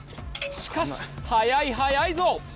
しかし速い速いぞ。